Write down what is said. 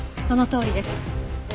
そのとおりです。